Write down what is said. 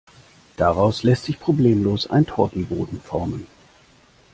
Daraus lässt sich problemlos ein Tortenboden formen.